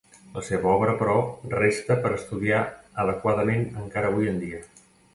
La seva obra però resta per estudiar adequadament encara avui en dia.